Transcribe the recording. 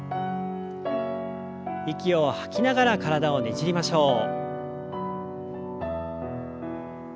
息を吐きながら体をねじりましょう。